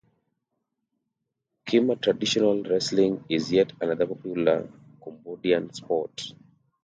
Khmer traditional wrestling is yet another popular Cambodian sport.